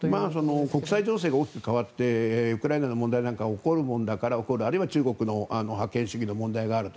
国際情勢が大きく変わってウクライナの問題なんかが起きるものだからあるいは中国の覇権主義の問題があると。